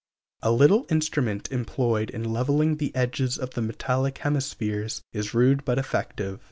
] A little instrument employed in levelling the edges of the metallic hemispheres, is rude but effective.